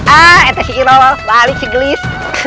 ah itu siiroh balik ke gelis